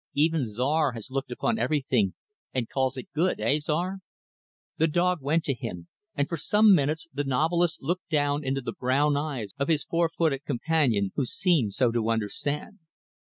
Even Czar has looked upon everything and calls it good heh Czar?" The dog went to him; and, for some minutes, the novelist looked down into the brown eyes of his four footed companion who seemed so to understand.